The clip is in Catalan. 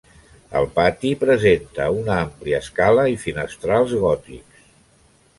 El pati presenta una àmplia escala i finestrals gòtics.